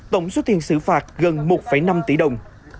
tổng số tiền xử phạt gần một năm tỷ đồng